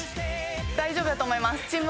大丈夫だと思います。